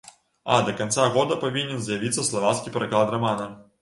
А да канца года павінен з'явіцца славацкі пераклад рамана.